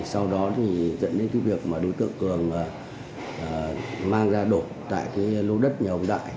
sau đó dẫn đến việc đối tượng cường mang ra đổ tại lô đất nhà ông đại